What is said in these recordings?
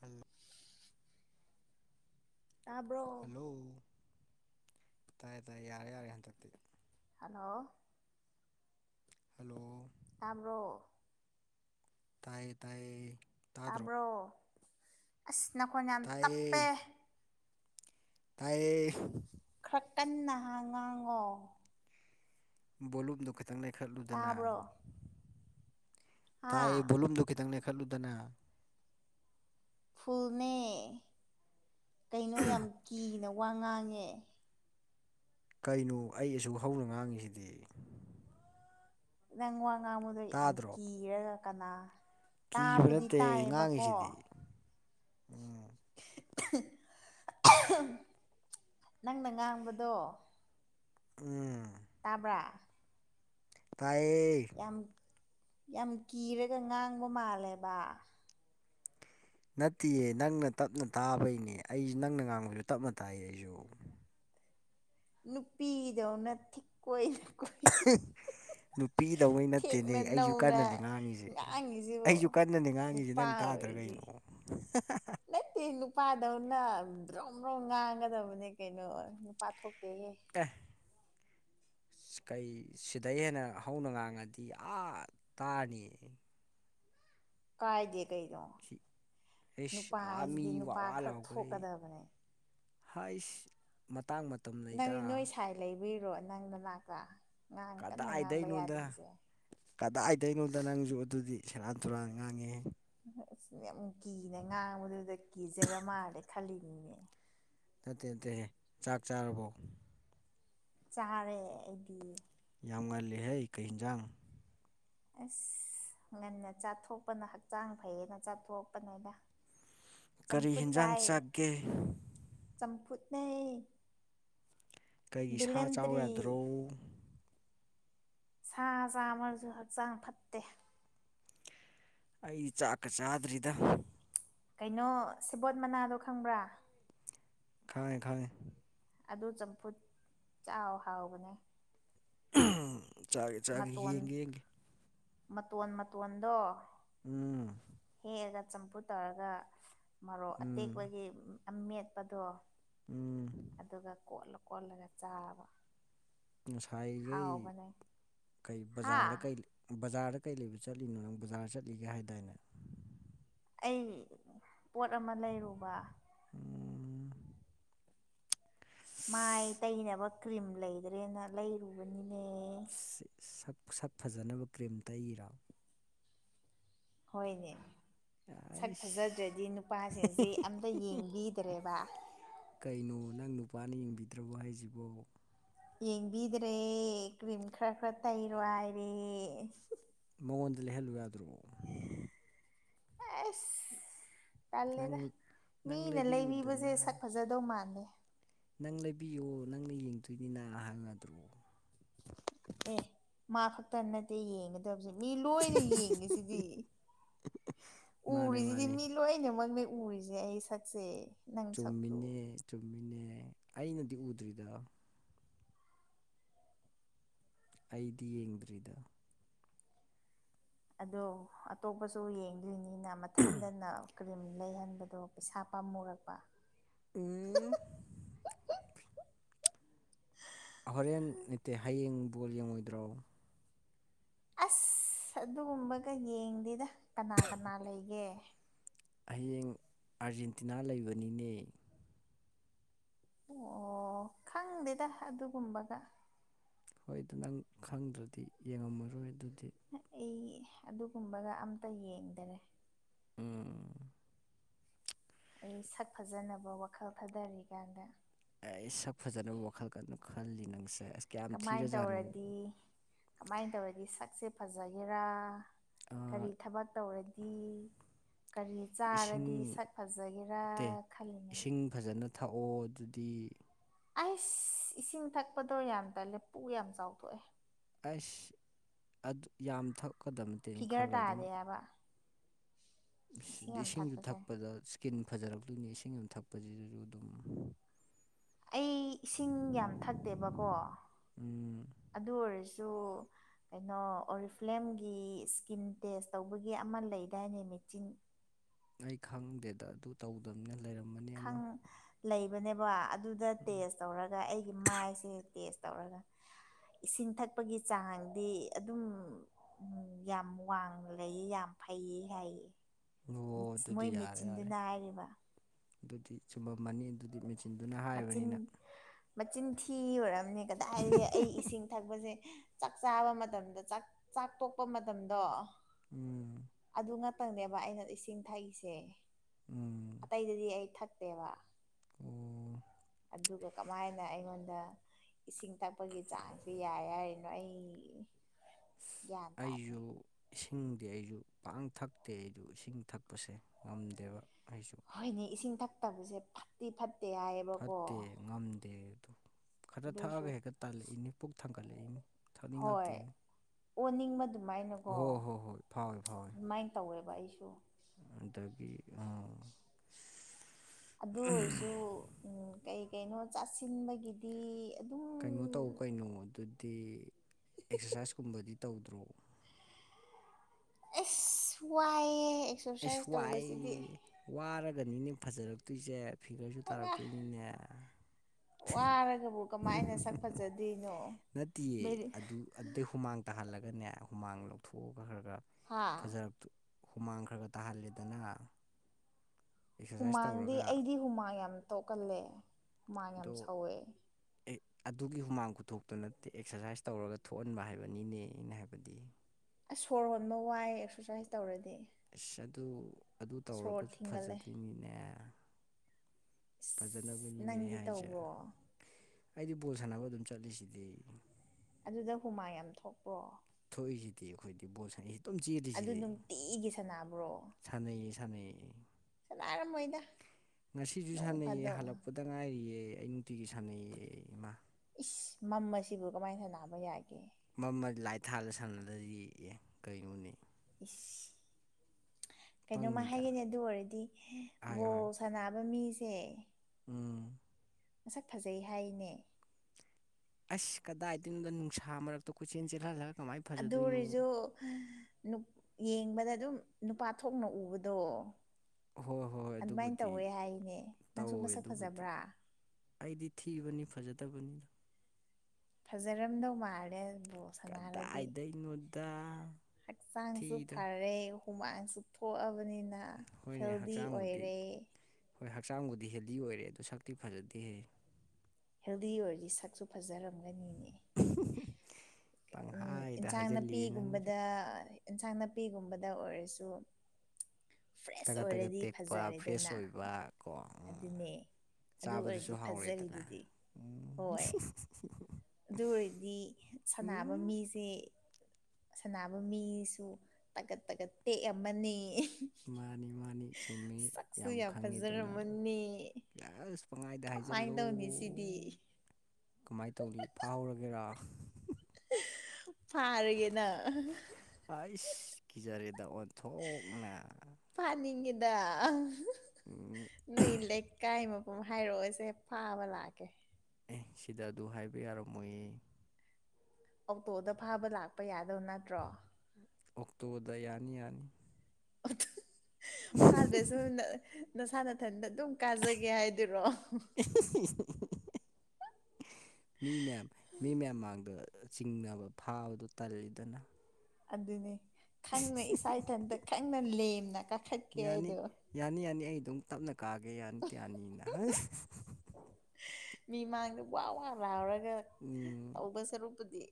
Hello ꯇꯥꯕ꯭ꯔꯣ ꯇꯥꯏ ꯇꯥꯏ ꯌꯥꯔꯦ ꯌꯥꯔꯦ ꯍꯟꯇꯛꯇꯤ ꯍꯂꯣ ꯍꯂꯣ ꯇꯕ꯭ꯔꯣ ꯇꯥꯏ ꯇꯥꯏꯌꯦ ꯇꯥꯗ꯭ꯔꯣ ꯇꯥꯕ꯭ꯔꯣ ꯑꯁ ꯅꯈꯣꯟ ꯌꯥꯝ ꯇꯞꯄꯦ ꯇꯥꯏꯌꯦ ꯇꯥꯏꯌꯦ ꯈꯔ ꯀꯟꯅ ꯍꯥꯡ ꯉꯥꯡꯉꯣ ꯕꯣꯂꯨꯝꯗꯣ ꯈꯤꯇꯪ ꯂꯩꯈꯠꯂꯨꯗꯅ ꯇꯥꯕ꯭ꯔꯣ ꯍꯥ ꯇꯥꯏꯌꯦ ꯕꯣꯂꯨꯝꯗꯣ ꯈꯤꯇꯪ ꯂꯩꯈꯠꯂꯨꯗꯅ ꯐꯨꯜꯅꯦ ꯀꯩꯅꯣ ꯌꯥꯝ ꯀꯤꯅ ꯋꯥ ꯉꯥꯡꯉꯦ꯫ ꯀꯩꯅꯣ ꯑꯩ ꯑꯁꯨ ꯍꯧꯅ ꯉꯥꯡꯉꯤꯁꯤꯗꯤ꯫ ꯅꯪ ꯋꯥ ꯉꯥꯡꯕꯗꯣ ꯌꯥꯝ ꯇꯥꯗ꯭ꯔꯣ ꯀꯤꯔꯒ ꯀꯅꯥ ꯀꯤꯕ ꯇꯥꯕꯨꯗꯤ ꯅꯠꯇꯦ ꯇꯥꯏꯌꯦꯕꯀꯣ ꯉꯥꯡꯉꯤꯁꯤꯗꯤ ꯎꯝ ꯅꯪꯅ ꯉꯥꯡꯕꯗꯣ꯫ ꯎꯝ꯫ ꯇꯥꯕ꯭ꯔꯥ꯫ ꯇꯥꯏꯌꯦ꯫ ꯌꯥꯝ ꯌꯥꯝ ꯀꯤꯔꯒ ꯉꯥꯡꯕ ꯃꯥꯜꯂꯦꯕ꯫ ꯅꯠꯇꯦꯌꯦ ꯅꯪꯅ ꯇꯞꯅ ꯇꯥꯕꯩꯅꯦ ꯑꯩꯁꯨ ꯅꯪꯅ ꯉꯥꯡꯕꯁꯨ ꯇꯞꯅ ꯇꯥꯏꯌꯦ ꯑꯩꯁꯨ꯫ ꯅꯨꯄꯤꯗꯧꯅ ꯊꯤ ꯀꯣꯏꯅ ꯀꯣꯏ ꯅꯨꯞ ꯄꯤꯗꯧꯉꯩ ꯅꯠꯇꯦꯅꯦ ꯊꯦꯛꯅ ꯑꯩꯁꯨ ꯅꯧꯅ ꯀꯟꯅꯗꯤ ꯉꯥꯡꯉꯁꯦ ꯉꯥꯡꯉꯤꯁꯤꯕꯨ ꯑꯩꯁꯨ ꯀꯟꯅꯗꯤ ꯉꯥꯡꯉꯁꯤ ꯅꯨꯄꯥ ꯅꯪ ꯇꯥꯗ꯭ꯔ ꯑꯣꯏꯔꯗꯤ ꯀꯩꯅꯣ꯫ [unintelligible] ꯅꯠꯇꯦ ꯅꯨꯄꯥꯗꯧꯅ ꯗ꯭ꯔꯣꯝꯗꯔꯣꯝ ꯉꯥꯡꯒꯗꯕꯅꯦ ꯀꯩꯅꯣ꯫ ꯅꯨꯄꯥ ꯊꯣꯛꯇꯦꯍꯦ ꯑꯦ ꯀꯩ ꯁꯤꯗꯩ ꯍꯦꯟꯅ ꯍꯧꯅ ꯉꯥꯡꯉꯗꯤ ꯑꯥ ꯇꯥꯔꯅꯤ ꯀꯥꯏꯗꯦ ꯀꯩꯩꯅꯣ꯫ ꯍꯁ ꯑꯃꯤ ꯅꯨꯄꯥ ꯋꯥꯋꯥ ꯈꯔ ꯂꯑꯣꯒꯩ ꯊꯣꯛꯀꯗꯕꯅꯦ ꯍꯥꯏꯁ꯫ ꯃꯇꯥꯡ ꯃꯇꯝ ꯅꯪ ꯂꯩꯗ ꯅꯣꯏ ꯁꯥꯏ ꯂꯩꯕꯩꯔꯣ ꯅꯪ ꯅꯅꯛꯇ ꯉꯥꯡ ꯀꯟꯅ ꯉꯥꯡꯕ ꯀꯗꯥꯏꯗꯩꯅꯣꯗ ꯌꯥꯗ꯭ꯔꯤꯁꯦ꯫ ꯀꯗꯥꯏꯗꯩꯅꯣꯗ ꯅꯪꯁꯨ ꯑꯗꯨꯗꯤ ꯁꯦꯔꯥꯟ ꯊꯨꯔꯥꯟ ꯉꯥꯡꯉꯤꯍꯦ꯫ ꯑꯁ ꯌꯥꯝ ꯀꯤꯅ ꯉꯥꯡꯕꯗꯨꯗ ꯀꯤꯖꯔ ꯃꯥꯜꯂꯦ ꯈꯜꯂꯤꯅꯤꯅꯦ꯫ ꯅꯠꯇꯦ ꯅꯠꯇꯦꯍꯦ ꯆꯥꯛ ꯆꯥꯔꯕꯣ꯫ ꯆꯥꯔꯦ ꯑꯩꯗꯤ ꯌꯥꯝ ꯉꯜꯂꯤꯍꯩ ꯀꯩ ꯌꯦꯟꯖꯥꯡ ꯑꯁ ꯉꯟꯅ ꯆꯥꯊꯣꯛꯄꯅ ꯍꯛꯆꯥꯡ ꯐꯩꯌꯦꯅ ꯆꯥꯊꯣꯛꯄꯅꯤꯅ꯫ ꯀꯔꯤ ꯆꯝꯄꯨ ꯍꯤꯟꯖꯥꯡ ꯆꯥꯏ ꯆꯥꯒꯦ ꯆꯝꯄꯨꯅꯦ꯫ ꯀꯩꯒꯤ ꯁꯥ ꯆꯥꯎ ꯌꯥꯗ꯭ꯔꯣ꯫ ꯁꯥ ꯆꯥꯕꯁꯨ ꯍꯛꯆꯥꯡ ꯐꯠꯇꯦ꯫ ꯑꯩ ꯆꯥꯛꯀ ꯆꯥꯗ꯭ꯔꯤꯗ꯫ ꯀꯩꯅꯣ ꯁꯦꯕꯣꯠ ꯃꯅꯥꯗꯣ ꯈꯪꯕ꯭ꯔꯥ꯫ ꯈꯪꯉꯦ ꯈꯪꯉꯦ꯫ ꯑꯗꯨ ꯆꯝꯐꯨꯠ ꯆꯥꯎ ꯍꯥꯎꯕꯅꯦ꯫ ꯎꯝ ꯃꯇꯣꯟ ꯃꯇꯣꯟ ꯃꯇꯣꯟꯗꯣ꯫ ꯎꯝ꯫ ꯍꯦꯛꯑꯒ ꯆꯝꯐꯨꯠ ꯇꯧꯔꯒ ꯎꯝ ꯃꯔꯣꯛ ꯎꯝ ꯑꯇꯦꯛꯄꯒꯤ ꯑꯃꯦꯠꯄꯗꯣ꯫ ꯎꯝ꯫ ꯑꯗꯨꯒ ꯀꯣꯠꯂ ꯀꯣꯠꯂꯒ ꯆꯥꯕ꯫ ꯉꯁꯥꯏꯈꯩ ꯍꯥꯎꯕꯅꯦ ꯀꯩ ꯍꯥ ꯕꯖꯥꯔꯗ ꯀꯩ__ ꯕꯖꯥꯔꯗ ꯀꯩ ꯂꯩꯕ ꯆꯠꯂꯤꯅꯣ ꯅꯪ ꯕꯖꯥꯔ ꯆꯠꯂꯤꯒ ꯍꯥꯏꯗꯥꯏꯅꯦ꯫ ꯑꯩ ꯄꯣꯠ ꯑꯃ ꯂꯩꯔꯨꯕ꯫ ꯎꯝ ꯃꯥꯏ ꯇꯩꯅꯕ ꯀ꯭ꯔꯤꯝ ꯂꯩꯗ꯭ꯔꯦꯅ ꯂꯩꯔꯨꯕꯅꯤꯅꯦ ꯁ ꯁꯛ ꯁꯛ ꯐꯖꯥꯅꯕ ꯀ꯭ꯔꯤꯝ ꯇꯩꯔꯤꯔꯣ ꯍꯣꯏꯅꯦ ꯁꯛ ꯑꯩꯁ ꯐꯖꯥꯗ꯭ꯔꯗꯤ ꯅꯨꯄꯥꯁꯤꯡꯁꯤ ꯑꯝꯇ ꯌꯦꯡꯕꯤꯗ꯭ꯔꯦꯕ ꯀꯩꯅꯣ ꯅꯪ ꯅꯨꯄꯥꯅ ꯌꯦꯡꯕꯤꯗ꯭ꯔꯕꯣ ꯍꯥꯏꯁꯤꯕꯣ ꯌꯦꯡꯕꯤꯗ꯭ꯔꯦ ꯀ꯭ꯔꯤꯝ ꯈꯔ ꯈꯔ ꯇꯩꯔꯣꯏ ꯍꯥꯏꯔꯦ ꯃꯉꯣꯟꯗ ꯂꯩꯍꯜꯂꯨ ꯌꯥꯗ꯭ꯔꯣ ꯑꯁ ꯅꯪ ꯇꯜꯂꯦꯗ ꯅꯪ ꯃꯤꯅ ꯂꯩꯕꯤꯕꯁꯦ ꯂꯩꯕꯤꯌꯨꯗꯅ ꯁꯛ ꯐꯥꯖꯗꯧ ꯃꯥꯥꯟꯗꯦ ꯅꯪ ꯂꯩꯕꯤꯌꯣ ꯅꯪꯅ ꯌꯦꯡꯗꯣꯏꯅꯤꯅ ꯍꯪꯉꯣ ꯌꯥꯗ꯭ꯔꯣ ꯑꯦ ꯃꯥ ꯈꯛꯇ ꯅꯠ ꯇꯦ ꯌꯦꯡꯒꯗꯕꯁꯦ ꯃꯤ ꯂꯣꯏꯅ ꯌꯦꯡꯉꯤꯁꯤꯗꯤ ꯃꯥꯅꯦ ꯎꯔꯤꯁꯤꯗꯤ ꯃꯥꯅꯦ ꯃꯤ ꯂꯣꯏꯅꯃꯛꯅ ꯎꯔꯤꯁꯦ ꯑꯩ ꯁꯛꯁꯦ ꯅꯪ ꯁꯛꯁꯨ ꯆꯨꯝꯃꯦꯅꯦ ꯆꯨꯝꯃꯦꯅꯦ ꯑꯩꯅꯗꯤ ꯎꯗ꯭ꯔꯤꯗ ꯑꯩꯗꯤ ꯌꯦꯡꯗ꯭ꯔꯤꯗ ꯑꯗꯣ ꯑꯇꯣꯞꯄꯁꯨ ꯌꯦꯡꯗꯣꯏꯅꯤꯅ ꯃꯥꯊꯟꯇꯅ ꯀ꯭ꯔꯤꯝ ꯂꯩꯍꯟꯕꯗꯣ ꯄꯩꯁꯥ ꯄꯥꯝꯃꯨꯔꯛꯄ ꯎꯝ ꯍꯣꯔꯦꯟ ꯅꯠꯇꯦ ꯍꯌꯦꯡ ꯕꯣꯜ ꯌꯦꯡꯉꯣꯏꯗ꯭ꯔꯣ ꯑꯁ ꯑꯗꯨꯒꯨꯝꯕꯒ ꯌꯦꯡꯗꯦꯗ ꯀꯅꯥ ꯀꯅꯥ ꯂꯩꯒꯦ ꯍꯌꯦꯡ ꯑꯥꯔꯖꯦꯟꯇꯤꯅꯥ ꯂꯩꯕꯅꯤꯅꯦ ꯑꯣ ꯈꯪꯗꯦꯗ ꯑꯗꯨꯒꯨꯝꯕꯒ ꯍꯣꯏꯗ ꯅꯪ ꯈꯪꯗ꯭ꯔꯗꯤ ꯌꯦꯡꯉꯝꯃꯔꯣꯏ ꯑꯗꯨꯗꯤ ꯑꯩ ꯑꯗꯨꯒꯨꯝꯕꯒ ꯑꯝꯇ ꯌꯦꯡꯗꯔꯦ ꯎꯝ ꯑꯩ ꯁꯛ ꯐꯖꯥꯅꯕ ꯋꯥꯈꯜ ꯐꯥꯗꯔꯤꯀꯥꯟꯗ ꯑꯩꯁ ꯁꯛ ꯐꯖꯅꯕ ꯋꯥꯈꯜ ꯀꯟꯅ ꯈꯜꯂꯤ ꯅꯪꯁꯦ ꯑꯁ ꯀꯌꯥꯝ ꯀꯃꯥꯏꯟ ꯊꯤꯔꯖꯥꯠꯅꯣ ꯇꯧꯔꯗꯤ ꯀꯃꯥꯏꯟ ꯇꯧꯔꯗꯤ ꯁꯛꯁꯦ ꯐꯖꯒꯦꯔꯥ ꯑꯥ, ꯀꯔꯤ ꯊꯕꯛ ꯇꯧꯔꯗꯤ ꯀꯔꯤ ꯆꯥꯔꯗꯤ ꯏꯁꯤꯡ ꯁꯠ ꯐꯖꯒꯦꯔꯥ ꯈꯜꯂꯤꯅꯦ ꯐꯥꯖꯅ ꯊꯛꯑꯣ ꯑꯗꯨꯗꯤ ꯑꯩꯁ ꯏꯁꯤꯡ ꯊꯛꯄꯗꯣ ꯌꯥꯝ ꯇꯜꯂꯦ ꯄꯨꯛ ꯌꯥꯝ ꯆꯥꯎꯊꯣꯛꯑꯦ ꯑꯩꯁ ꯑꯗꯨ ꯌꯥꯝ ꯊꯛꯀꯗꯝꯃꯤ ꯐꯤꯒꯔ ꯇꯥꯗꯦ ꯍꯥꯏꯕ ꯏꯁꯤꯡ ꯌꯥꯝ ꯗꯤꯁꯤꯡꯁꯨ ꯊꯛꯄꯁꯦ ꯊꯛꯄꯗ ꯏꯁꯀꯤꯟ ꯐꯖꯔꯛꯇꯣꯏꯅꯤ ꯏꯁꯤꯡ ꯌꯥꯝ ꯊꯛꯄꯁꯤꯗꯁꯨ ꯑꯗꯨꯝ ꯑꯩ ꯏꯁꯤꯡ ꯌꯥꯝ ꯊꯛꯇꯦꯕꯀꯣ ꯎꯝ, ꯑꯗꯨ ꯑꯣꯏꯔꯁꯨ ꯀꯩꯅꯣ ꯑꯣꯔꯤꯐ꯭ꯂꯦꯝꯒꯤ ꯏꯁꯀꯤꯟ ꯇꯦꯁ ꯇꯧꯕꯒꯤ ꯑꯃ ꯂꯩꯗꯥꯏꯅꯦ ꯃꯦꯆꯤꯟ ꯑꯩ ꯈꯪꯗꯦꯗ ꯑꯗꯨ ꯇꯧꯗꯝꯅ ꯂꯩꯔꯝꯃꯅꯤ ꯑꯃ ꯈꯪ ꯂꯩꯕꯅꯦꯕ ꯑꯗꯨꯗ ꯇꯦꯁ ꯇꯧꯔꯒ ꯑꯩꯒꯤ ꯃꯥꯏꯁꯦ ꯇꯦꯁ ꯇꯧꯔꯒ ꯏꯁꯤꯡ ꯊꯛꯄꯒꯤ ꯆꯥꯡꯗꯤ ꯑꯗꯨꯝ ꯌꯥꯝ ꯋꯥꯡꯅ ꯂꯩꯌꯦ ꯌꯥꯝ ꯐꯩꯌꯦ ꯍꯥꯏꯌꯦ ꯑꯣ ꯃꯤꯠꯁ ꯃꯣꯏ ꯑꯗꯨꯗꯤ ꯌꯥꯔꯦ ꯃꯦꯆꯤꯟꯗꯨ ꯌꯥꯔꯦ ꯍꯥꯏꯔꯤꯕ ꯑꯗꯨꯗꯤ ꯆꯨꯝꯃꯝꯃꯅꯤ ꯑꯗꯨꯗꯤ ꯃꯦ ꯃꯆꯤꯟ ꯃꯆꯤꯟ ꯊꯤ ꯑꯣꯏꯔꯝꯅꯤ ꯀꯗꯥꯏꯗꯒꯤ ꯑꯩ ꯏꯁꯤꯡ ꯊꯛꯄꯁꯦ ꯆꯥꯛ ꯆꯥꯕ ꯃꯇꯝꯗ ꯆꯥꯛ ꯆꯥꯛ ꯇꯣꯛꯄ ꯃꯇꯝꯗꯣ ꯎꯝ ꯑꯗꯨ ꯉꯛ ꯄꯪꯗꯦꯕ ꯑꯩꯅ ꯏꯁꯤꯡ ꯊꯛꯏꯁꯦ ꯎꯝ ꯑꯩꯗꯗꯤ ꯑꯩ ꯊꯛꯇꯦꯕ ꯎꯝ ꯑꯗꯨꯒ ꯀꯃꯥꯏꯅ ꯑꯩꯉꯣꯟꯗ ꯏꯁꯤꯡ ꯊꯛꯄꯒꯤ ꯆꯥꯡꯁꯤ ꯌꯥꯏ ꯍꯥꯏꯔꯤꯅꯣ ꯑꯩ ꯒ꯭ꯌꯥꯟ ꯇꯥꯗꯦ ꯑꯩꯁꯨ ꯏꯁꯤꯡꯗꯤ ꯑꯩꯁꯨ ꯄꯥꯡ ꯊꯛꯇꯦ ꯑꯩꯁꯨ ꯏꯁꯤꯡ ꯊꯛꯄꯁꯦ ꯉꯝꯗꯦꯕ ꯑꯩꯁꯨ ꯍꯣꯏꯅꯦ ꯏꯁꯤꯡ ꯊꯛꯇꯕꯁꯦ ꯐꯠꯇꯤ ꯐꯠꯇꯦ ꯍꯥꯏꯌꯦ ꯐꯠꯇꯦ ꯉꯝꯗꯦ ꯑꯗꯨ ꯈꯔ ꯑꯗꯨꯁꯨ ꯊꯛꯑꯒ ꯍꯦꯛꯇ ꯇꯜꯂꯛꯏꯅꯦ ꯄꯨꯛ ꯊꯪꯒꯠꯂꯛꯏꯅꯦ ꯍꯣꯏ ꯑꯣꯅꯤꯡꯕ ꯗꯨꯃꯥꯏꯅꯀꯣ ꯍꯣꯏ ꯍꯣꯏ ꯍꯣꯏ ꯐꯥꯎꯋꯦ ꯐꯥꯎꯋꯦ ꯗꯨꯃꯥꯏ ꯇꯧꯋꯦꯕ ꯑꯩꯁꯨ ꯑꯗꯒꯤ ꯑꯥ ꯑꯗꯨ ꯑꯣꯏꯔꯁꯨ ꯎꯝ ꯀꯩ ꯀꯩꯅꯣ ꯆꯥꯁꯤꯟꯕꯒꯤꯗꯤ ꯑꯗꯨꯝ ꯀꯩꯅꯣ ꯇꯧ ꯀꯩꯅꯣ ꯑꯗꯨꯗꯤ ꯑꯦꯛꯁꯔꯁꯥꯏꯁꯀꯨꯝꯕꯗꯤ ꯇꯧꯗ꯭ꯔꯣ ꯑꯁ ꯋꯥꯏꯌꯦ ꯑꯦꯁ ꯑꯦꯛꯁꯔꯁꯥꯏꯁ ꯇꯧꯕꯁꯤꯗꯤ ꯋꯥꯏ ꯋꯥꯔꯒꯅꯤꯅꯦ ꯐꯖꯔꯛꯇꯣꯏꯁꯦ ꯐꯤꯒꯔꯁꯨ ꯍꯩꯃꯥ ꯇꯥꯔꯛꯇꯣꯏꯅꯤꯅꯦ ꯋꯥꯔꯒꯕꯨ ꯀꯃꯥꯏꯅ ꯁꯛ ꯐꯖꯗꯣꯏꯅꯣ ꯃꯦꯔꯤ ꯅꯇꯦ ꯍꯨꯃꯥꯡ ꯇꯥꯍꯜꯂꯒꯅꯦ ꯍꯨꯃꯥꯡ ꯂꯧꯊꯣꯛꯑꯣ ꯈꯔ ꯈꯔ ꯍꯥ ꯐꯖꯔꯛ ꯍꯨꯃꯥꯡ ꯈꯔ ꯈꯔ ꯇꯥꯍꯜꯂꯦꯗꯅ ꯑꯦꯛꯁꯔꯁꯥꯏꯁ ꯍꯨꯃꯥꯡꯗꯤ ꯇꯧꯔꯒ ꯑꯩꯗꯤ ꯍꯨꯃꯥꯡ ꯌꯥꯝ ꯇꯣꯛꯀꯜꯂꯦ ꯍꯨꯃꯥꯡ ꯌꯥꯝ ꯁꯧꯋꯦ ꯑꯦ ꯑꯗꯨꯒꯤ ꯍꯨꯃꯥꯡ ꯈꯨꯊꯣꯛꯇꯣ ꯅꯠꯇꯦ ꯑꯦꯛꯁꯔꯁꯥꯏꯁ ꯇꯧꯔꯒ ꯊꯣꯛꯍꯟꯕ ꯍꯥꯏꯕꯅꯤꯅꯦ ꯑꯩꯅ ꯍꯥꯏꯕꯗꯤ ꯑꯁ ꯁꯣꯔ ꯍꯣꯟꯕ ꯋꯥꯏꯌꯦ ꯑꯦꯛꯁꯔꯁꯥꯏꯁ ꯇꯧꯔꯗꯤ ꯑꯁ ꯑꯗꯨ ꯑꯗꯨ ꯁꯣꯔ ꯇꯧꯔꯒꯁꯨ ꯊꯤꯡꯒꯠꯂꯦ ꯐꯖꯗꯣꯏꯅꯤꯅꯦ ꯑꯁ ꯐꯖꯅꯕꯅꯤꯅꯦ ꯑꯩ ꯅꯪꯗꯤ ꯍꯥꯏꯁꯦ ꯇꯧꯕ꯭ꯔꯣ ꯑꯩꯗꯤ ꯕꯣꯜ ꯁꯥꯟꯅꯕ ꯑꯗꯨꯝ ꯆꯠꯂꯤꯁꯤꯗꯤ ꯑꯗꯨꯗ ꯍꯨꯃꯥꯡ ꯌꯥꯝ ꯊꯣꯛꯄ꯭ꯔꯣ ꯊꯣꯛꯏꯖꯤꯗꯤ ꯑꯩꯈꯣꯏꯗꯤ ꯕꯣꯜ ꯁꯥꯅꯩ ꯑꯗꯨꯝ ꯑꯗꯨ ꯆꯦꯜꯂꯤꯁꯤꯗꯤ ꯅꯨꯡꯇꯤꯒꯤ ꯁꯥꯟꯅꯕ꯭ꯔꯣ ꯁꯥꯟꯅꯩꯌꯦ ꯁꯥꯟꯅꯩꯌꯦ ꯁꯥꯟꯅꯔꯝꯃꯣꯏꯗ ꯉꯁꯤꯁꯨ ꯅꯣꯡ ꯁꯥꯟꯅꯩꯌꯦ ꯐꯥꯗꯣꯛ ꯍꯜꯂꯛꯄꯗ ꯂꯛꯇ ꯉꯥꯏꯔꯤꯌꯦ ꯑꯩ ꯅꯨꯡꯇꯤꯒꯤ ꯁꯥꯟꯅꯩꯌꯦ ꯏꯃꯥ ꯏꯁ ꯃꯝꯃꯁꯤꯕꯨ ꯀꯃꯥꯏꯅ ꯁꯅꯥꯕ ꯌꯥꯒꯦ ꯃꯝꯃ ꯂꯥꯏꯠ ꯊꯥꯜꯂ ꯁꯥꯟꯅꯗꯗꯤ ꯑꯦ ꯀꯩꯅꯣꯅꯦ ꯏꯁ ꯀꯩꯅꯣꯝꯃ ꯄꯪꯉꯤꯗ ꯍꯥꯏꯒꯅꯦ ꯑꯗꯨ ꯑꯣꯏꯔꯗꯤ ꯍꯥꯏꯌꯨ ꯕꯣꯜ ꯍꯥꯏꯌꯨ ꯁꯥꯟꯅꯕ ꯃꯤꯁꯦ ꯎꯝ ꯃꯁꯛ ꯐꯖꯩ ꯍꯥꯏꯅꯦ ꯑꯁ ꯀꯗꯥꯏꯗꯩꯅꯣꯗ ꯅꯨꯡꯁꯥ ꯃꯔꯛꯇ ꯀꯣꯏꯆꯦꯟ ꯆꯦꯜꯍꯜꯂ ꯑꯗꯨꯑꯣꯏꯔꯖꯨ ꯅꯨꯞ ꯌꯦꯡꯕꯗ ꯑꯗꯨꯝ ꯅꯨꯄꯥ ꯊꯣꯛꯅ ꯎꯕꯗꯣ ꯍꯣꯏ ꯍꯣꯏ ꯑꯗꯨꯃꯥꯏꯟ ꯇꯧꯋꯦ ꯑꯗꯨꯕꯨꯗꯤ ꯍꯥꯏꯅꯦ ꯅꯪꯁꯨ ꯇꯧꯋꯦ ꯃꯁꯛ ꯑꯗꯨꯕꯨꯗꯤ ꯐꯖꯕ꯭ꯔꯥ ꯑꯩꯗꯤ ꯊꯤꯕꯅꯤ ꯐꯖꯗꯕꯅꯤ ꯐꯖꯔꯝꯗꯧ ꯃꯥꯜꯂꯦ [unintelligible] ꯀꯗꯥꯏꯗꯩꯅꯣꯗ ꯍꯛꯆꯥꯡꯁꯨ ꯊꯤꯗ ꯐꯔꯦ ꯍꯨꯃꯥꯡꯁꯨ ꯊꯣꯛꯑꯕꯅꯤꯅ ꯍꯣꯏꯅꯦ ꯍꯦꯜꯗꯤ ꯍꯛꯆꯥꯡꯕꯨꯗꯤ ꯑꯣꯏꯔꯦ ꯍꯣꯏ ꯍꯛꯆꯥꯡꯕꯨꯗꯤ ꯍꯦꯜꯗꯤ ꯑꯣꯏꯔꯦ ꯑꯗꯣ ꯁꯛꯇꯤ ꯐꯖꯗꯦ ꯍꯦ ꯍꯦꯜꯗꯤ ꯑꯣꯏꯔꯤ ꯁꯛꯁꯨ ꯐꯖꯔꯝꯒꯅꯤꯅꯦ [unintelligible] ꯄꯪꯍꯥꯏꯗ ꯏꯟꯁꯥꯡ ꯍꯥꯏꯖꯤꯜꯂꯤ ꯅꯪꯁꯨ ꯅꯥꯄꯤꯒꯨꯝꯕꯗ ꯏꯟꯁꯥꯡ ꯅꯥꯄꯤꯒꯨꯝꯕꯗ ꯑꯣꯏꯔꯁꯨ ꯐ꯭ꯔꯦꯁ ꯇꯒꯠ ꯇꯒꯠ ꯑꯣꯏꯔꯗꯤ ꯇꯦꯛꯄ ꯐꯖꯔꯦꯗꯅ ꯐ꯭ꯔꯦꯁ ꯑꯣꯏꯕ ꯀꯣ ꯎꯝ ꯑꯗꯨꯅꯦ ꯑꯗꯨ ꯆꯥꯕꯗꯁꯨ ꯑꯣꯏꯔꯗꯤ ꯍꯥꯎꯔꯦꯗꯅ ꯐꯖꯔꯤꯗꯨꯗꯤ ꯎꯝ ꯍꯣꯏ ꯑꯗꯨ ꯑꯣꯏꯔꯗꯤ ꯁꯥꯟꯅꯕ ꯃꯤ ꯎꯝ ꯃꯤꯁꯦ ꯁꯥꯟꯅꯕ ꯃꯤꯁꯨ ꯇꯒꯠ ꯇꯒꯠ ꯇꯦꯛ ꯑꯝꯃꯅꯤ ꯃꯥꯅꯤ ꯃꯥꯅꯤ ꯆꯨꯝꯃꯤ ꯌꯥꯝ ꯈꯪꯉꯤꯗ ꯅꯪ [unintelligible] ꯄꯪꯍꯥꯏꯗ ꯀꯃꯥꯏꯅ ꯍꯥꯏꯖꯜꯂꯣ ꯇꯧꯅꯤ ꯁꯤꯗꯤ ꯀꯃꯥꯏ ꯇꯧꯅꯤ ꯐꯥꯍꯧꯔꯒꯦꯔꯣ ꯐꯥꯔꯒꯦ ꯅꯪ ꯑꯩꯁ ꯀꯤꯖꯔꯦꯗ ꯑꯣꯟꯊꯣꯛꯅ ꯐꯥꯅꯤꯡꯉꯤꯗ ꯎꯝ ꯅꯣꯏ ꯂꯩꯀꯥꯏ ꯍꯥꯏꯔꯛꯑꯣꯁꯦ ꯐꯥꯕ ꯂꯥꯛꯀꯦ ꯑꯦ ꯁꯤꯗ ꯑꯗꯨ ꯍꯥꯏꯕ ꯌꯥꯔꯝꯃꯣꯏꯌꯦ ꯑꯣꯇꯣꯗ ꯐꯥꯕ ꯂꯥꯛꯄ ꯌꯥꯗꯧ ꯅꯠꯇ꯭ꯔꯣ ꯑꯣꯛꯇꯣꯗ ꯌꯥꯅꯤ ꯌꯥꯅꯤ ꯐꯥꯗ꯭ꯔꯁꯨ ꯅꯁꯥ ꯅꯊꯟꯗ ꯑꯗꯨꯝ ꯀꯥꯖꯒꯦ ꯍꯥꯏꯗꯣꯏꯔꯣ ꯃꯤ ꯃꯌꯥꯝ ꯃꯤ ꯃꯌꯥꯝ ꯃꯥꯡꯗ ꯆꯤꯡꯅꯕ ꯐꯥꯕꯗꯨ ꯇꯜꯂꯤꯗꯅ ꯑꯗꯨꯅꯦ ꯈꯪꯅ ꯏꯁꯥ ꯏꯊꯟꯇ ꯈꯪꯅ ꯂꯦꯝꯅ ꯀꯥꯈꯠ ꯌꯥꯅꯤ ꯌꯥꯅꯤ ꯌꯥꯅꯤ ꯑꯩ ꯑꯗꯨꯝ ꯇꯞꯅ ꯀꯥꯒꯦ ꯌꯥꯅꯤꯗ ꯌꯥꯅꯤꯗ [unintelligible] ꯃꯤ ꯃꯃꯥꯡꯗ ꯋꯥ ꯋꯥ ꯂꯥꯎꯔꯒ ꯎꯝ ꯇꯧꯕ ꯁꯔꯨꯛꯄꯨꯗꯤ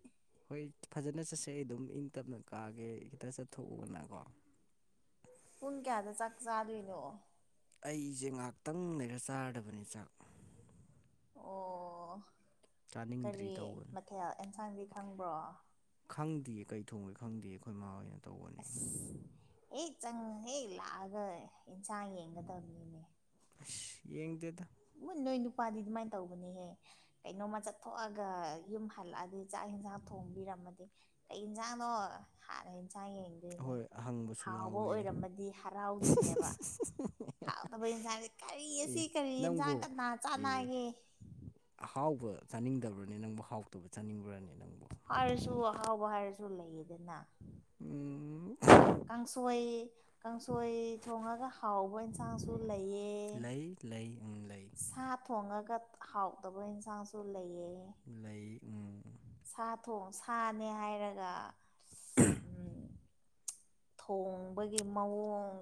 ꯍꯣꯏ ꯐꯖꯅ ꯆꯠꯁꯦ ꯑꯩ ꯑꯗꯨꯝ ꯏꯪ ꯇꯞꯅ ꯀꯥꯒꯦ ꯈꯤꯇ ꯆꯠꯊꯣꯛꯎꯅꯀꯣ ꯄꯨꯡ ꯀꯌꯥꯗ ꯆꯥꯛ ꯆꯥꯗꯣꯏꯅꯣ ꯑꯩꯁꯦ ꯉꯍꯥꯛꯇꯪ ꯂꯩꯔ ꯆꯥꯔꯗꯕꯅꯦ ꯆꯥꯛ ꯑꯣ ꯆꯥꯅꯤꯡꯗ꯭ꯔꯤ ꯀꯔꯤ ꯇꯧꯕꯅꯤ ꯃꯊꯦꯜ ꯑꯦꯟꯁꯥꯡꯗꯤ ꯈꯪꯕ꯭ꯔꯣ ꯈꯪꯗꯦ ꯀꯩ ꯊꯣꯡꯒꯦ ꯈꯪꯗꯦ ꯑꯩꯈꯣꯏ ꯃꯥꯥ ꯍꯣꯏꯅ ꯇꯧꯕꯅꯤ ꯑꯁ ꯍꯦꯛ ꯆꯪ ꯍꯦꯛ ꯂꯥꯛꯑꯒ ꯏꯟꯁꯥꯡ ꯌꯦꯡꯒꯗꯕꯅꯤꯅꯦ ꯏꯁ ꯌꯦꯡꯗꯦꯗ ꯎꯝ ꯅꯣꯏ ꯅꯨꯄꯥꯗꯤ ꯑꯗꯨꯃꯥꯏꯅ ꯇꯧꯕꯅꯤꯍꯦ ꯀꯩꯅꯣꯝꯃ ꯆꯠꯊꯣꯛꯑꯒ ꯌꯨꯝ ꯍꯜꯂꯛꯑꯗꯤ ꯆꯥꯛ ꯏꯟꯖꯥꯡ ꯊꯣꯡꯕꯤꯔꯝꯃꯗꯤ ꯀꯩ ꯏꯟꯖꯥꯡꯅꯣ ꯍꯥꯟꯅ ꯏꯟꯖꯥꯡ ꯌꯦꯡ ꯌꯦꯡꯗꯣꯏꯅꯦ ꯍꯣꯏ ꯍꯪꯕꯁꯨ ꯍꯥꯎꯕ ꯌꯥꯎꯋꯦ ꯑꯣꯏꯔꯝꯃꯗꯤ ꯍꯔꯥꯎꯗꯣꯏꯅꯦꯕ ꯍꯥꯎꯇꯕ ꯏꯟꯁꯥꯡ ꯀꯔꯤ ꯑꯁꯤ ꯑꯦ ꯀꯔꯤ ꯏꯟꯁꯥꯡ ꯅꯪꯕꯨ ꯀꯅꯥ ꯑꯦ ꯆꯥꯟꯅꯒꯦ ꯑꯍꯥꯎꯕ ꯆꯥꯅꯤꯡꯗꯕ꯭ꯔꯅꯦ ꯅꯪꯕꯨ ꯍꯥꯎꯇꯕ ꯆꯥꯅꯤꯡꯕ꯭ꯔꯅꯦ ꯅꯪꯕꯨ ꯍꯥꯏꯔꯁꯨ ꯑꯍꯥꯎꯕ ꯍꯥꯏꯔꯁꯨ ꯂꯩꯌꯦꯗꯅ ꯎꯝ ꯀꯥꯡꯁꯣꯏ ꯀꯥꯡꯁꯣꯏ ꯊꯣꯡꯉꯒ ꯍꯥꯎꯕ ꯏꯟꯁꯥꯡꯁꯨ ꯂꯩꯌꯦ ꯂꯩ ꯂꯩ ꯎꯝ ꯂꯩ ꯁꯥ ꯊꯣꯡꯉꯒ ꯍꯥꯎꯇꯕ ꯏꯟꯁꯥꯡꯁꯨ ꯂꯩꯌꯦ ꯂꯩ ꯎꯝ ꯁꯥ ꯊꯣꯡ ꯁꯥꯅꯦ ꯍꯥꯏꯔꯒ ꯎꯝ ꯊꯣꯡꯕꯒꯤ ꯃꯑꯣꯡ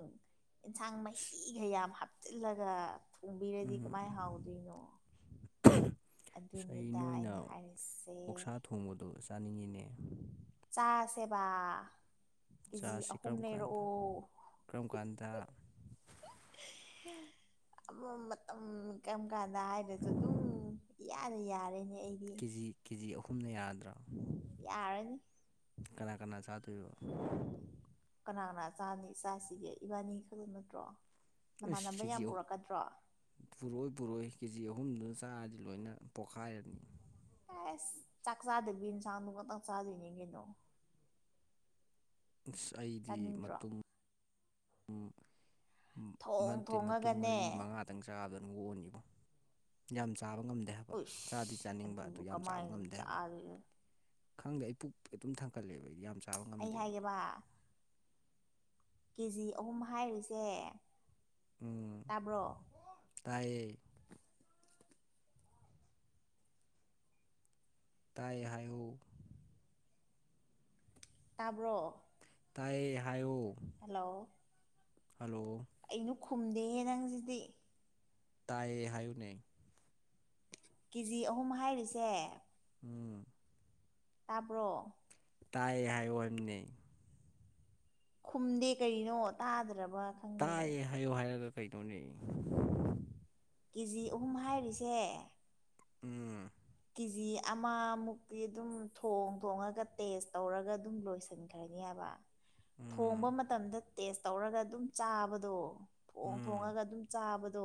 ꯏꯟꯁꯥꯡ ꯑꯁ, ꯃꯍꯤꯒ ꯌꯥꯝ ꯍꯥꯞꯆꯤꯜꯂꯒ ꯊꯣꯡꯕꯤꯔꯗꯤ ꯎꯝ ꯀꯃꯥꯏꯅ ꯍꯥꯎꯗꯣꯏꯅꯣ ꯑꯁ ꯑꯩ ꯑꯗꯨꯅꯤꯗ ꯅꯣꯏꯅ ꯑꯩꯅ ꯍꯥꯏꯔꯤꯁꯦ ꯑꯣꯛꯁꯥ ꯊꯣꯡꯕꯗꯣ ꯆꯥꯅꯤꯡꯉꯤꯅꯦ ꯆꯥꯁꯦꯕ ꯀꯦꯖꯤ ꯆꯥꯁꯤ ꯑꯍꯨꯝ ꯀꯔꯝ ꯀꯥꯟꯗ ꯂꯩꯔꯛꯑꯣ ꯀꯔꯝ ꯀꯥꯟꯗ ꯑꯃ ꯃꯇꯝ ꯀꯔꯝ ꯀꯥꯟꯗ ꯍꯥꯏꯗ꯭ꯔꯁꯨ ꯑꯗꯨꯝ ꯏꯌꯥꯗ ꯌꯥꯔꯦꯅꯦ ꯑꯩꯗꯤ ꯌ‌ꯦꯟ ꯀꯦꯖꯤ ꯑꯍꯨꯝꯅ ꯌꯥꯔꯗ꯭ꯔ‌‌ꯣ ꯌꯥꯔꯅꯤ ꯀꯅꯥ ꯀꯅꯥ ꯆꯥꯗꯣꯏꯕ ꯀꯅꯥ ꯀꯅꯥ ꯆꯥꯅꯤ ꯆꯥꯁꯤꯒꯦ ꯏꯕꯥꯅꯤ ꯈꯛꯇ ꯅꯠꯇ꯭ꯔꯣ ꯑꯩꯁ ꯅꯃꯥꯟꯅꯕ ꯁꯤꯖꯤ ꯌꯥꯝ ꯑꯣ ꯄꯨꯔꯛꯀꯗ꯭ꯔꯣ ꯄꯨꯔꯛꯑꯣꯏ ꯄꯨꯔꯛꯑꯧꯏ ꯀꯦꯖꯤ ꯑꯍꯨꯝꯗꯨ ꯆꯥꯔꯗꯤ ꯂꯣꯏꯅ ꯄꯣꯛꯈꯥꯏꯔꯅꯤ ꯑꯦꯁ ꯆꯥꯛ ꯆꯥꯗꯕꯤ ꯏꯟꯁꯥꯡꯗꯨ ꯈꯛꯇꯪ ꯆꯥꯗꯣꯏꯅꯤ ꯀꯩꯅꯣ ꯑꯁ ꯑꯩꯗꯤ ꯆꯥꯅꯤꯡꯗ꯭ꯔꯣ ꯃꯇꯨꯝ ꯊꯣꯡ ꯅꯠꯇꯦ ꯃꯇꯨꯝ ꯊꯣꯡꯉꯒꯅꯦ ꯃꯔꯤ ꯃꯉꯥ ꯈꯤꯛꯇꯪ ꯆꯥꯕꯗ ꯑꯗꯨꯝ ꯑꯣꯛꯑꯅꯤꯕꯨ ꯌꯥꯝ ꯆꯥꯕ ꯉꯝꯗꯦ ꯍꯥꯏꯕ ꯎꯁ ꯆꯥꯗꯤ ꯆꯥꯅꯤꯡꯕ ꯑꯗꯨ ꯌꯥꯝ ꯆꯥꯕ ꯀꯃꯥꯏꯅ ꯉꯝꯗꯦ ꯍꯥꯏꯕ ꯆꯥꯗꯣꯏꯅꯣ ꯈꯪꯗꯦ ꯑꯩ ꯄꯨꯛ ꯑꯗꯨꯝ ꯊꯟꯀꯠꯂꯦꯕ ꯑꯩꯗꯤ ꯌꯥꯝ ꯆꯥ ꯑꯩ ꯍꯥꯏꯒꯦꯕ ꯀꯦ ꯖꯤ ꯑꯍꯨꯝ ꯍꯥꯏꯔꯤꯁꯦ ꯇꯥꯕ꯭ꯔꯣ ꯇꯥꯌ‌ꯦ ꯇꯥꯏ ꯍꯥꯏꯌ‌ꯣ ꯇꯥꯕ꯭ꯔꯣ ꯇꯥꯏꯌꯦ ꯍꯥꯏꯌ‌ꯣ ꯍꯜꯂꯣ ꯍꯜꯂꯣ ꯀꯩꯅ‌ꯣ ꯈꯨꯝꯗꯦꯍꯦ ꯅꯪꯁꯤꯗꯤ ꯇꯥꯏꯌꯦ ꯍꯥꯏꯌꯨꯅꯦ ꯀꯦꯖꯤ ꯑꯍꯨꯝ ꯍꯥꯏꯔꯤꯁꯦ ꯎꯝ ꯇꯥꯕ꯭ꯔꯣ ꯇꯥꯏ ꯍꯥꯏꯌ‌ꯣ ꯍꯥꯏꯕꯅꯤꯅ‌ꯦ ꯈꯨꯝꯗꯦ ꯀꯩꯅꯣ ꯀꯔꯤꯅ‌ꯣ ꯇꯥꯗ꯭ꯔꯕ ꯈꯪꯗꯦ ꯇꯥꯏꯌꯦ ꯍꯥꯏꯌꯣ ꯍꯥꯏꯔꯒ ꯀꯩꯅ‌ꯣꯅ‌ꯦ ꯀꯦ ꯖꯤ ꯑꯍꯨꯝ ꯍꯥꯏꯔꯤꯁꯦ ꯎꯝ ꯀꯤ ꯖꯤ ꯑꯃꯃꯨꯛꯇꯤ ꯑꯗꯨꯝ ꯊꯣꯡ ꯊꯣꯡꯉꯒ ꯇꯦꯁ ꯇꯧꯔꯒ ꯑꯗꯨꯝ ꯂꯣꯏꯁꯤꯟꯈ꯭ꯔꯅꯤ ꯍꯥꯏꯕ ꯎꯝ ꯊꯣꯡꯕ ꯃꯇꯝꯗ ꯇꯦꯁ ꯇꯧꯔꯒ ꯑꯗꯨꯝ ꯆꯥꯕꯗꯣ ꯊꯣꯡ ꯎꯝ ꯊꯣꯡꯉꯒ ꯑꯗꯨꯝ ꯆꯥꯕꯗꯣ